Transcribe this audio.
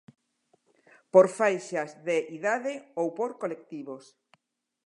Por faixas de idade ou por colectivos.